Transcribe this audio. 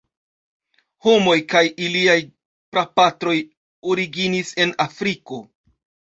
Homoj kaj iliaj prapatroj originis en Afriko.